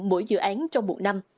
mỗi dự án trong một năm